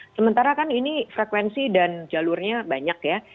sementara kan ini frekuensi dan jalurnya banyak ya